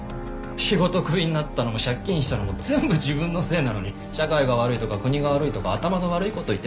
仕事クビになったのも借金したのも全部自分のせいなのに社会が悪いとか国が悪いとか頭の悪い事言ってたでしょ。